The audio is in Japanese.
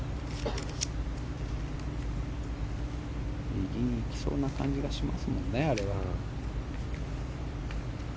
右にいきそうな感じがしますもんね、あれは。